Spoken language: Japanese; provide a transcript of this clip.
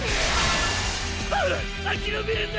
あ諦めるな！